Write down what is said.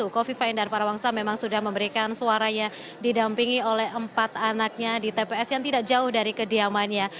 kofifa indar parawangsa memang sudah memberikan suaranya didampingi oleh empat anaknya di tps yang tidak jauh dari kediamannya